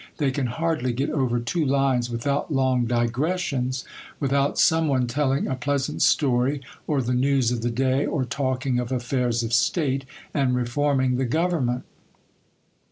They can hardly get over two lines without long digressions; without some one telling a pleasant story, or the news of the day; or talking of affairs of state, and reforming the government."